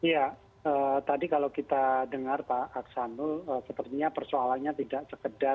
ya tadi kalau kita dengar pak aksanul sepertinya persoalannya tidak sekedar